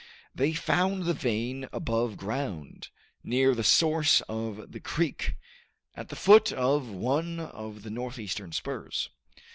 They found the vein above ground, near the source of the creek, at the foot of one of the northeastern spurs.